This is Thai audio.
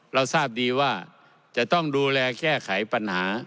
เราทราบดีว่าจะต้องดูแลแก้ไขปัญหา